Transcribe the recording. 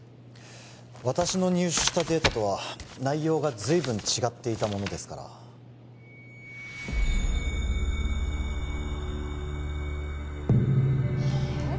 私の入手したデータとは内容が随分違っていたものですからえっ？